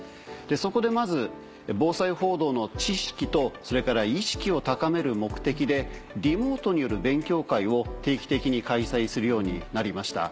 そこでまず防災報道の知識とそれから意識を高める目的でリモートによる勉強会を定期的に開催するようになりました。